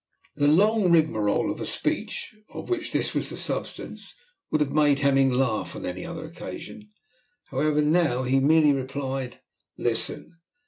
The long rigmarole speech, of which this was the substance, would have made Hemming laugh on any other occasion. However, now he merely replied, "Listen.